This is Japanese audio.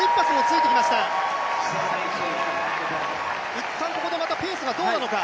いったんここでペースがどうなのか。